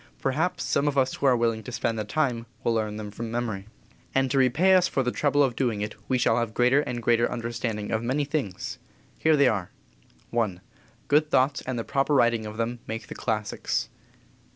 Perhaps some of us who are willing to spend the time will learn them from memory. And to repay us for the trouble of doing it we shall have greater and greater understanding of many things. Here they are: I. Good thoughts and the proper writing of them make the classics.